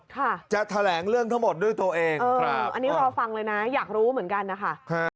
จะแถลงเรื่องทั้งหมดด้วยตัวเองเออครับอันนี้รอฟังเลยนะอยากรู้เหมือนกันนะคะ